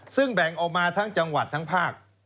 ซึ่งแบ่งออกมาทั้งจังหวัดทั้งภาค